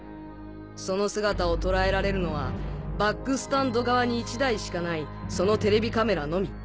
その姿を捉えられるのはバックスタンド側に１台しかないそのテレビカメラのみ。